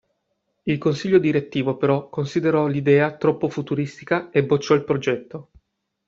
Il consiglio direttivo però considerò l'idea troppo futuristica e bocciò il progetto.